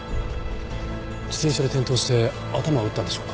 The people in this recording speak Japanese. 自転車で転倒して頭を打ったんでしょうか？